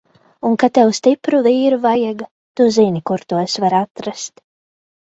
Un kad tev stipru vīru vajaga, tu zini, kur tos var atrast!